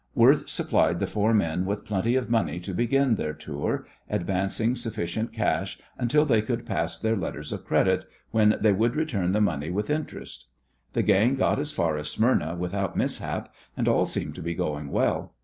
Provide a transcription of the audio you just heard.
Worth supplied the four men with plenty of money to begin their tour, advancing sufficient cash until they could pass their letters of credit, when they would return the money with interest. The gang got as far as Smyrna without mishap, and all seemed to be going well.